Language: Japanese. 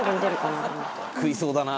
「食いそうだなあ」